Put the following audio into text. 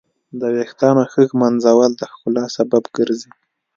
د ویښتانو ښه ږمنځول د ښکلا سبب ګرځي.